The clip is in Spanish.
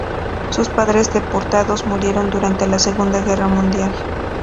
Sus padres, deportados, murieron durante la Segunda Guerra Mundial.